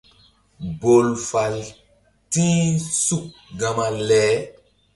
Bol fal ti̧h suk gama le.